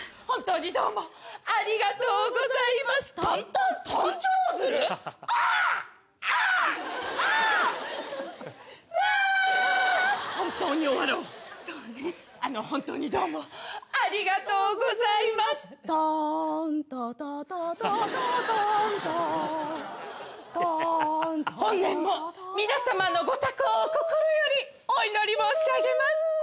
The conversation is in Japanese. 本年も皆様のご多幸を心よりお祈り申し上げます。